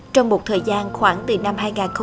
trong một thời gian khoảng từ năm hai nghìn một mươi